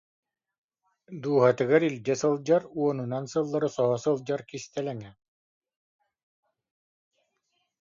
Дууһатыгар илдьэ сылдьар, уонунан сыллары соһо сылдьар кистэлэҥэ